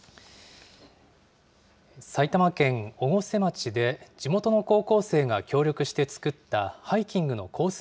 埼玉県越生町で、地元の高校生が協力して作ったハイキングのコース